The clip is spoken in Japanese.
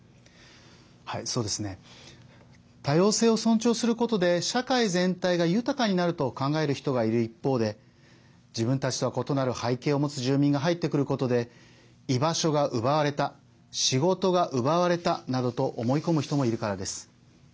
多様性を尊重することで社会全体が豊かにになると考える人がいる一方で自分たちとは異なる背景を持つ住民が入ってくることで居場所が奪われた仕事が奪われたなどと思い込む人もいるからです。